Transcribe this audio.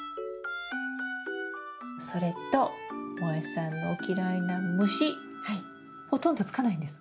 それともえさんの嫌いな虫ほとんどつかないんです。